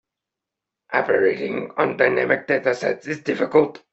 Operating on dynamic data sets is difficult.